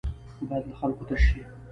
بايد له خلکو تش شي.